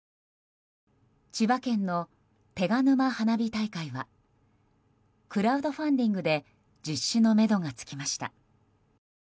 千葉県の手賀沼花火大会はクラウドファンディングで実施のめどがつきました。